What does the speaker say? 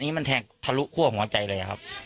นี่มันแทงทะลุคั่วหัวใจเลยครับ